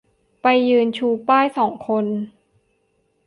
ไปยืนชูป้ายสองคน